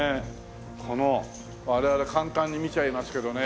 この我々簡単に見ちゃいますけどねえ。